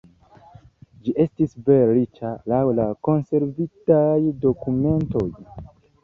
Ĝi estis vere riĉa, laŭ la konservitaj dokumentoj.